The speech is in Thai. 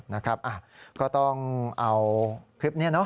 นะครับก็ต้องเอาคลิปนี้เนาะ